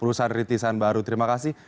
perusahaan rintisan baru terima kasih